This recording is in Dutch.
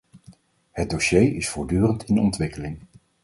Het dossier is voortdurend in ontwikkeling.